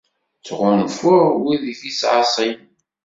Ttɣunfuɣ wid i k-ittɛaṣin.